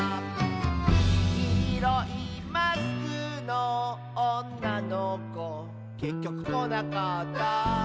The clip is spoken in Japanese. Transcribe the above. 「きいろいマスクのおんなのこ」「けっきょくこなかった」